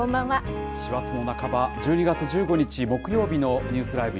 師走も半ば、１２月１５日木曜日のニュースＬＩＶＥ！